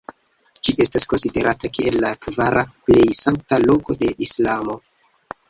Ĝi estas konsiderata kiel la kvara plej sankta loko de Islamo.